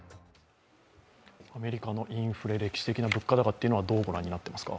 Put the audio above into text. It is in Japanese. アメリカのインフレ、歴史的な物価高はどう御覧になっていますか？